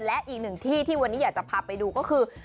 และอีกหนึ่งที่ที่วันนี้อยากจะพาไปดูก็คือ